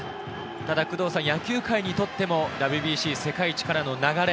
ただ野球界にとってもＷＢＣ世界一からの流れ。